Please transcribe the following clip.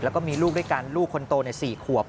แล้วก็มีลูกด้วยกันลูกคนโตใน๔ขวบ